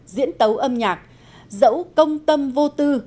diễn tấu âm nhạc dẫu công tâm vô tư